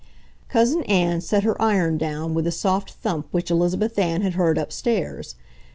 ] Cousin Ann set her iron down with the soft thump which Elizabeth Ann had heard upstairs.